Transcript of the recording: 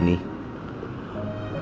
makasih usus goreng